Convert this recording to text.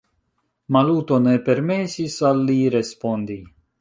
Maluto ne permesis al li respondi.